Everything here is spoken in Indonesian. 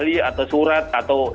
maksud saya butuh keterangan saksa